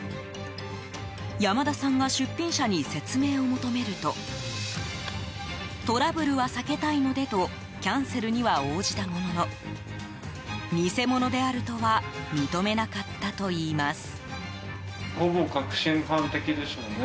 山田さんが出品者に説明を求めるとトラブルは避けたいのでとキャンセルには応じたものの偽物であるとは認めなかったといいます。